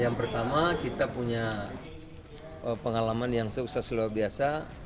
yang pertama kita punya pengalaman yang luar biasa